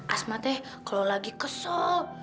asmatnya kalau lagi kesal